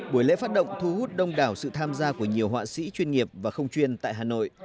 buổi lễ phát động thu hút đông đảo sự tham gia của nhiều họa sĩ chuyên nghiệp và không chuyên tại hà nội